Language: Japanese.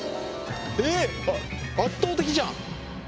えっ圧倒的じゃん。